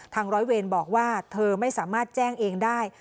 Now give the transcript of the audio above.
ร้อยเวรบอกว่าเธอไม่สามารถแจ้งเองได้